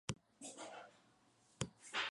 Era la última superviviente de la película Freaks.